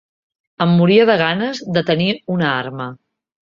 Em moria de ganes de tenir una arma